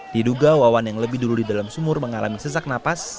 diduga wawan yang lebih dulu di dalam sumur mengalami sesak napas